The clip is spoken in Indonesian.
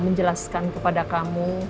menjelaskan kepada kamu